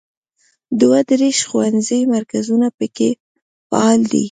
دوه دیرش ښوونیز مرکزونه په کې فعال دي.